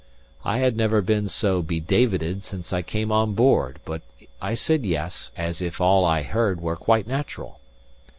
I had never been so be Davided since I came on board: but I said Yes, as if all I heard were quite natural.